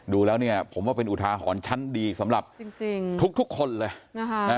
ดูแล้วเนี่ยผมว่าเป็นอุทาหรณ์ชั้นดีสำหรับจริงทุกคนเลยนะฮะ